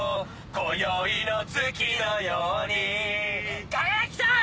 今宵の月のように輝きたい！